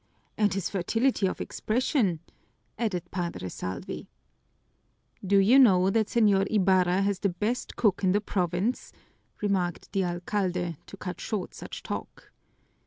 "And his fertility of expression!" added Padre Salvi. "Do you know that Señor Ibarra has the best cook in the province?" remarked the alcalde, to cut short such talk.